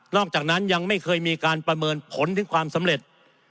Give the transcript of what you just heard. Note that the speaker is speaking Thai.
อกจากนั้นยังไม่เคยมีการประเมินผลถึงความสำเร็จ